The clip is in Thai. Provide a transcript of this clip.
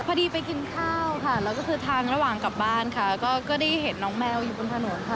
พอดีไปกินข้าวค่ะแล้วก็คือทางระหว่างกลับบ้านค่ะก็ได้เห็นน้องแมวอยู่บนถนนค่ะ